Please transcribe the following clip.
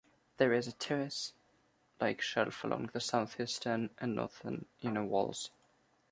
There is a terrace-like shelf along the southeastern and northern inner walls.